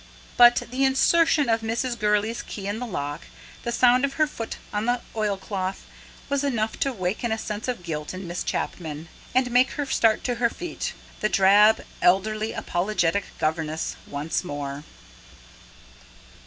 But the insertion of Mrs. Gurley's key in the lock, the sound of her foot on the oilcloth, was enough to waken a sense of guilt in Miss Chapman, and make her start to her feet the drab, elderly, apologetic governess once more.